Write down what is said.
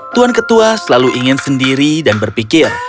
tuan ketua selalu ingin sendiri dan berpikir